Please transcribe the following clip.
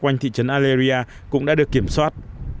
quanh thị trấn aleria cũng đã được kiểm soát